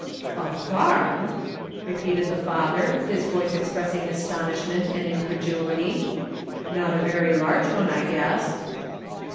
" A farm !" repeated the father, his voice express ing astonishment and incredulity ;" not a very large one, I guess."